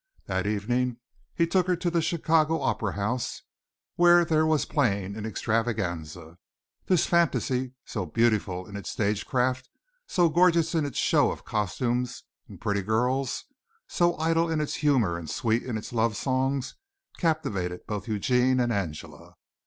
That evening he took her to the Chicago Opera House, where there was playing an extravaganza. This fantasy, so beautiful in its stage craft, so gorgeous in its show of costumes and pretty girls, so idle in its humor and sweet in its love songs, captivated both Eugene and Angela.